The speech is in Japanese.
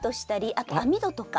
あと網戸とか。